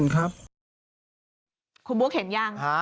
คุณบุ๊กเห็นยัง